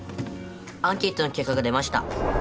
アンケートの結果が出ました。